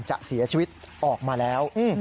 จะเสียชีวิตออกมาแล้ว